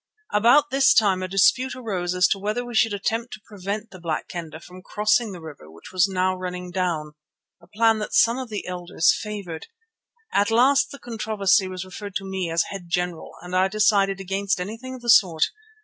About this time a dispute arose as to whether we should attempt to prevent the Black Kendah from crossing the river which was now running down, a plan that some of the elders favoured. At last the controversy was referred to me as head general and I decided against anything of the sort.